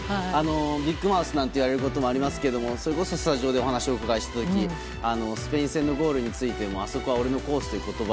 ビッグマウスと言われることもありますけどもそれこそスタジオでお話を伺った時スペイン戦のゴールについてもあそこは俺のコースという言葉。